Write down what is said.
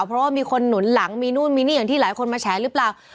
เพราะว่ามีคนหนุนหลังมีนู่นมีนี่อย่างที่หลายคนมาแฉหรือเปล่า